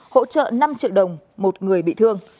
hỗ trợ năm triệu đồng một người bị thương